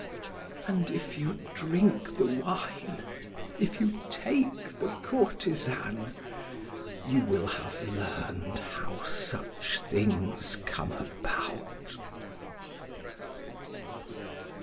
And if you drink the wine, if you take the courtesan, you will have learned how such things come about.